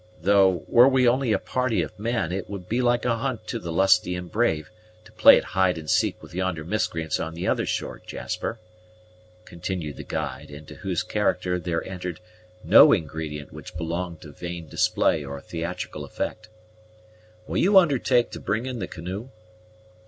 Though, were we only a party of men, it would be like a hunt to the lusty and brave to play at hide and seek with yonder miscreants on the other shore, Jasper," continued the guide, into whose character there entered no ingredient which belonged to vain display or theatrical effect, "will you undertake to bring in the canoe?"